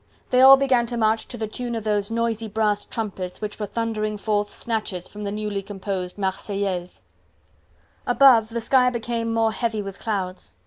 They all began to march, to the tune of those noisy brass trumpets which were thundering forth snatches from the newly composed "Marseillaise." Above the sky became more heavy with clouds.